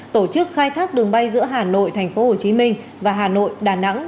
tổ chức khai thác đường bay giữa hà nội thành phố hồ chí minh và hà nội đà nẵng